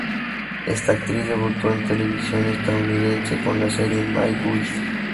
Esta actriz debutó en televisión estadounidense con la serie "My Guys".